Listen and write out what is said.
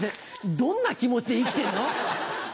どんな気持ちで生きてんの？